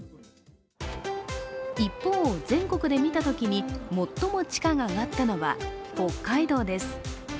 一方、全国で見たときに最も地価が上がったのは北海道です。